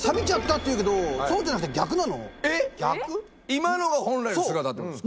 今のが本来の姿ってことですか。